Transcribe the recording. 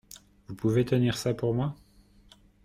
Vous pouvez tenir ça pour moi ?